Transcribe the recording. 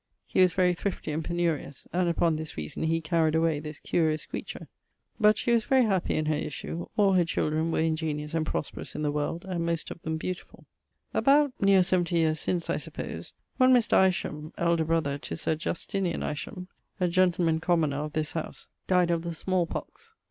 He was very thrifty and penurious, and upon this reason he caried away this curious creature. But she was very happy in her issue; all her children were ingeniose and prosperous in the world, and most of them beautifull. About ... (neer 70 yeares since, I suppose,) one Mr. Isham (elder brother to Sir Justinian Isham), a gentleman commoner of this howse, dyed of the small pox.